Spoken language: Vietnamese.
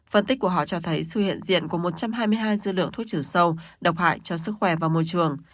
phân tích của họ cho thấy sự hiện diện của một trăm hai mươi hai dư lượng thuốc trừ sâu độc hại cho sức khỏe và môi trường